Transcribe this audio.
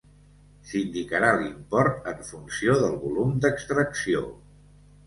S'indicarà l'import en funció del volum d'extracció.